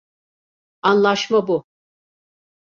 Anlaşma bu.